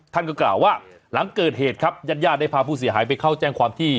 ท่านก็กล่าวว่าหลังเกิดเหตุครับญาติญาติได้พาผู้เสียหายไปเข้าแจ้งความที่